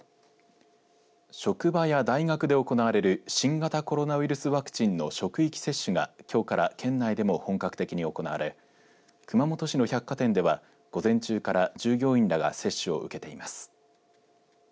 職場や大学で行われる新型コロナウイルスワクチンの職域接種がきょうから県内でも本格的に行われ熊本市の百貨店では午前中から従業員らが接種を受けています。